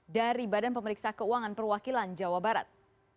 dari badan pemeriksa keuangan perwakilan jawa barat